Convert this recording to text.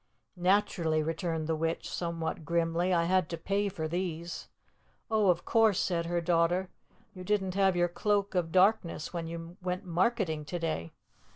"Naturally," returned the witch, somewhat grimly. "I had to pay for these." "Oh, of course," said her daughter. "You didn't have your Cloak of Darkness when you went marketing to day."